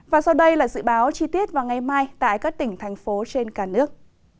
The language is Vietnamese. và sau đây là dự báo chi tiết vào ngày mai tại các tỉnh thành phố trên cả nước